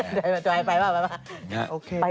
ไปไหมอ่ะ